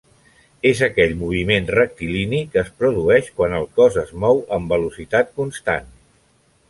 És aquell moviment rectilini que es produeix quan el cos es mou amb velocitat constant.